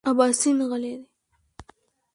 اباسین غلی دی .